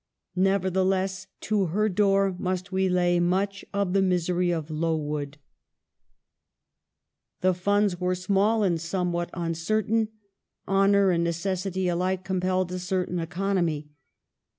Nevertheless to her door must we lay much of the misery of " Lowood." The funds were small and somewhat uncer tain. Honor and necessity alike compelled a certain economy.